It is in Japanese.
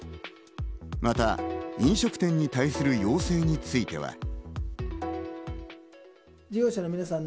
また飲食店に対する要請については。